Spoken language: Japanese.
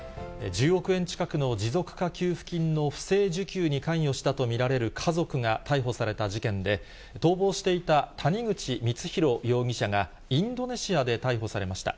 １０億円近くの持続化給付金の不正受給に関与したと見られる家族が逮捕された事件で、逃亡していた谷口光弘容疑者が、インドネシアで逮捕されました。